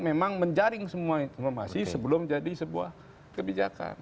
memang menjaring semua informasi sebelum jadi sebuah kebijakan